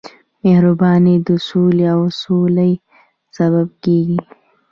مهرباني د سولې او سولې سبب کېږي.